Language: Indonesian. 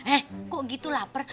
eh kok gitu lapar